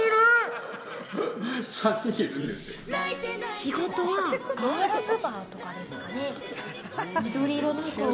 仕事はガールズバーとかですかね。